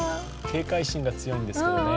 警戒心が強いんですけどね。